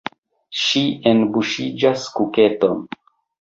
Ŝi enbuŝigas kuketon.